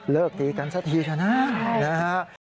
เลิกตีกันสักทีใช่ไหมนะฮะนะฮะใช่